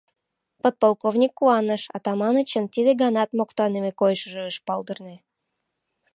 Подполковник куаныш: Атаманычын тиде ганат моктаныме койышыжо ыш палдырне.